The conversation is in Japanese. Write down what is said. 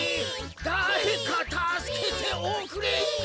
「だれかたすけておくれイッヒ」